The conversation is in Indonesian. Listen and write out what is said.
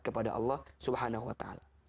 kepada allah subhanahu wa ta'ala